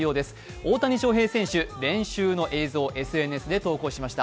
大谷翔平選手、練習の映像をＳＮＳで投稿しました。